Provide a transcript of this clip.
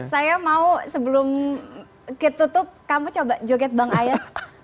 saya mau sebelum ditutup kamu coba joget bang ayas